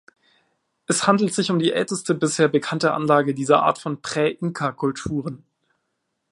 Es handelt sich um die älteste bisher bekannte Anlage dieser Art von Prä-Inka-Kulturen.